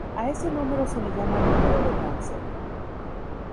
A ese número se le llama número de Ramsey.